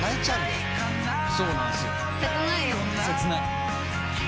切ないよ。